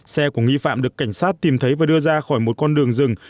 xe của nghi phạm được cảnh sát tìm thấy và đưa ra khỏi một con đường rừng